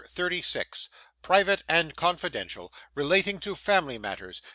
CHAPTER 36 Private and confidential; relating to Family Matters.